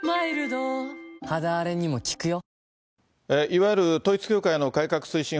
いわゆる統一教会の改革推進